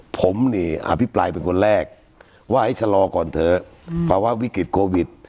ผมนี่อภิปรายเป็นคนแรกว่าให้ชะลอก่อนเถอะภาวะวิกฤตโควิด